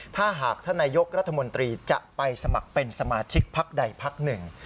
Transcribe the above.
ถ้าหากท่านนายกรัฐมนตรีจะไปสมัครเป็นสมาชิกพักใดพักหนึ่ง